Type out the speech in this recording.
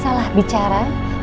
sampai jumpa lagi